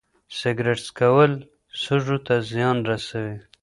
سګرټ څکول سږو ته زیان رسوي.